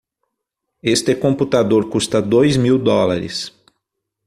Este computador custa dois mil dólares.